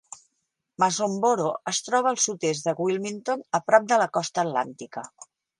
Masonboro es troba al sud-est de Wilmington, a prop de la costa atlàntica.